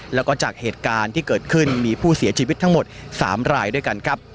แล้วก็จากเหตุการณ์ที่เกิดขึ้นมีผู้เสียชีวิตทั้งหมด๓รายด้วยกันครับ